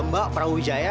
sialan juga ya